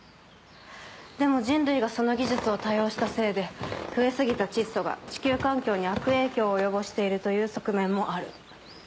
でも人類がその技術を多用したせいで増え過ぎた窒素が地球環境に悪影響を及ぼしているという側面もある。